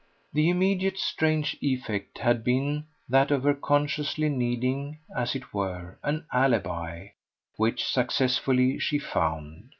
The immediate strange effect had been that of her consciously needing, as it were, an alibi which, successfully, she so found.